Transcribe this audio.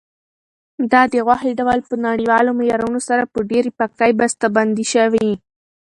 دا د غوښې ډول په نړیوالو معیارونو سره په ډېرې پاکۍ بسته بندي شوی.